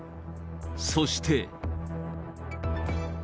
そして。